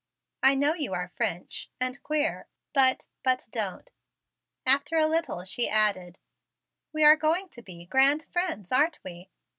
"I know you are French, and queer, but but don't " After a little she added: "We are going to be grand friends, aren't we?"